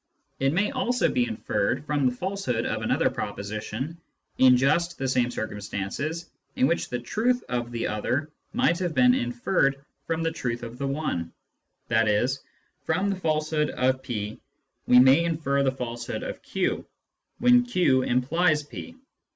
It may also be inferred from the falsehood of another proposition, in just the same circumstances in which the truth of the other might have been inferred from the truth of the one ; i.e. from the falsehood of p we may infer the falsehood of q, when q implies p.